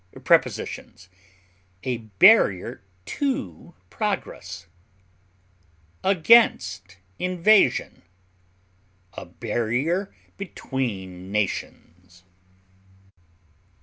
Prepositions: A barrier to progress, against invasion; a barrier between nations.